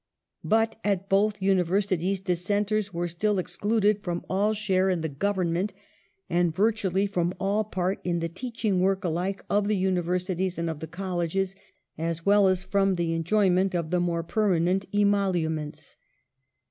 But at both Universities Dissenters were still excluded from all share in the goveniment and (virtually) from all part in the teaching work alike of the Univei*sities and of the Colleges, as well as from the enjoyment of the more permanent emoluments.